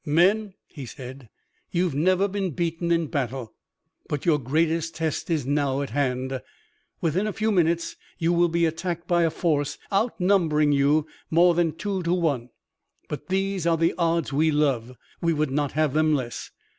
"Men," he said, "you have never been beaten in battle, but your greatest test is now at hand. Within a few minutes you will be attacked by a force outnumbering you more than two to one. But these are the odds we love. We would not have them less.